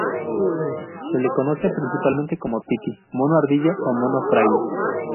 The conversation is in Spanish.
Se le conoce principalmente como tití, mono ardilla o mono fraile.